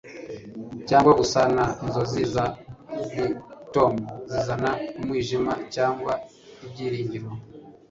cyangwa gusana inzozi za brighton, zizana umwijima cyangwa ibyiringiro